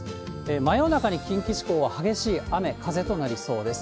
真夜中に近畿地方は激しい雨、風となりそうです。